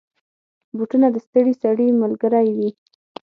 بوټونه د ستړي سړي ملګری وي.